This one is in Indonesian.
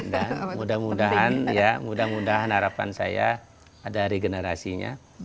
dan mudah mudahan ya mudah mudahan harapan saya ada regenerasinya